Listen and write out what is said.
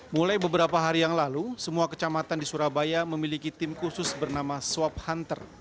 mulai beberapa hari yang lalu semua kecamatan di surabaya memiliki tim khusus bernama swab hunter